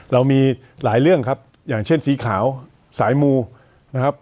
เรามีหลายเรื่องครับอย่างเช่นสีขาวสายมูนะครับ